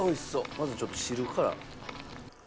まずちょっと汁から。